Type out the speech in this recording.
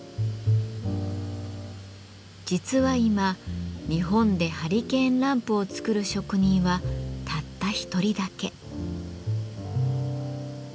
実は今日本でハリケーンランプを作る職人はたった一人だけ。